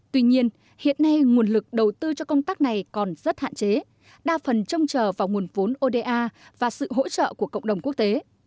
tuy nhiên hiện nay nguồn lực đầu tư cho công tác này còn rất hạn chế đa phần trông chờ vào nguồn vốn oda và sự hỗ trợ của cộng đồng quốc tế